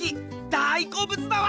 大こうぶつだわ！